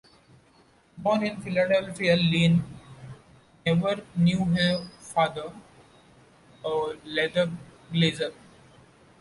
Born in Philadelphia, Lane never knew her father, a leather glazer.